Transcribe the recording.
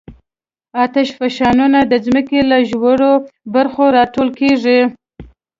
آتشفشانونه د ځمکې له ژورو برخو راټوکېږي.